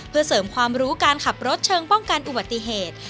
เพื่อเสริมความรู้การขับรถเชิงป้องกันอุบัติเหตุ